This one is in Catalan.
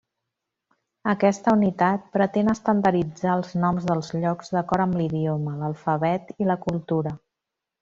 Aquesta unitat pretén estandarditzar els noms dels llocs d'acord amb l'idioma, l'alfabet i la cultura.